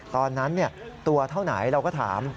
ตอนนั้นตัวเท่าไหนเราก็ถาม